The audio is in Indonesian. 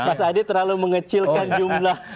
mas adi terlalu mengecilkan jumlah